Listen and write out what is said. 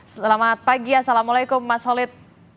selamat pagi assalamualaikum mas holid